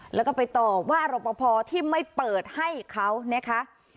แล้วก็ไปต่อว่ารปภที่ไม่เปิดให้เขานะคะ